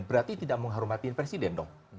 berarti tidak menghormati presiden dong